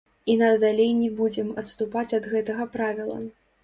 І надалей не будзем адступаць ад гэтага правіла.